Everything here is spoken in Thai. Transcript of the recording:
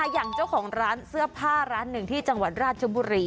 อย่างเจ้าของร้านเสื้อผ้าร้านหนึ่งที่จังหวัดราชบุรี